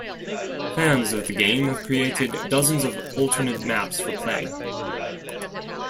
Fans of the game have created dozens of alternate maps for play.